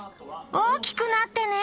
大きくなってね！